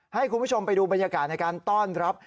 ให้คุณผู้ชมไปดูบรรยากาศในการต้อนรับ